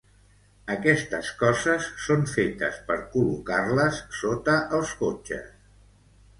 Aquestes coses són fetes per col·locar-les sota els cotxes.